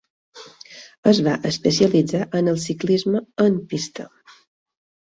Es va especialitzar en el ciclisme en pista.